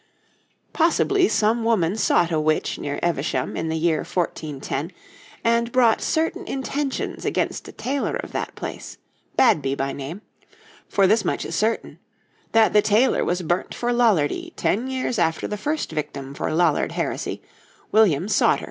Possibly some woman sought a witch near Evesham in the year 1410, and bought certain intentions against a tailor of that place, Badby by name; for this much is certain: that the tailor was burnt for Lollardy ten years after the first victim for Lollard heresy, William Sawtre.